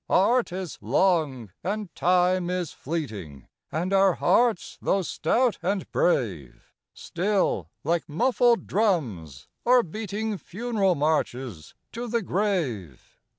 Art is long, and Time is fleeting, And our hearts, though stout and brave, Still, like muffled drums, are beating Funeral marches to the grave.